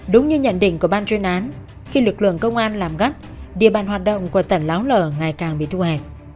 đúng như nhận định của ban chuyên án khi lực lượng công an làm gắt địa bàn hoạt động của tàn láo lở ngày càng bị thu hẹp